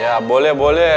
ya boleh boleh